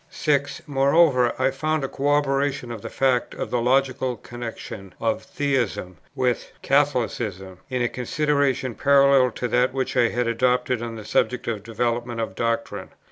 6. Moreover, I found a corroboration of the fact of the logical connexion of Theism with Catholicism in a consideration parallel to that which I had adopted on the subject of development of doctrine.